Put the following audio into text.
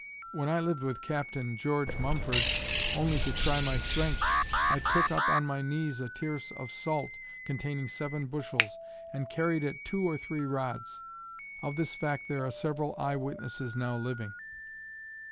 When I lived with Captain George Mumford, only to try my strength, I took up on my knees a tierce of salt containing seven bushels, and carried it two or three rods. Of this fact there are several eye witnesses now living.